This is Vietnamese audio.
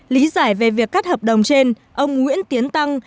lý giải về việc cắt hợp đồng trên ông nguyễn tiến tăng